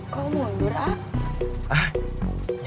paling tidak percaya